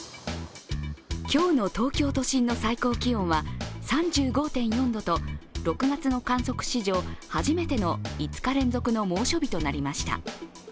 今日の東京都心の最高気温は３５．４度と、６月の観測史上初めての５日連続の猛暑日となりました。